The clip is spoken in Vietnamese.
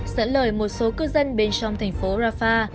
dẫn lời một số cư dân bên trong thành phố rafah